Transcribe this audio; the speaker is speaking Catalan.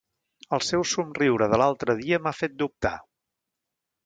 El seu somriure de l'altre dia m'ha fet dubtar...